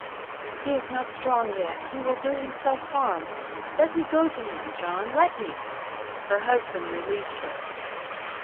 "He is not strong yet; he will do himself harm. Let me go to him! John, let me!" Her husband released her.